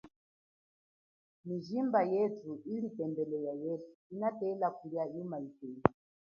Mijimba yethu ili tembele ya yesu inatela kulia yuma ipema.